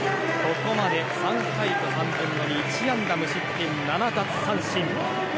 ここまで３回と３分の２１安打無失点７奪三振。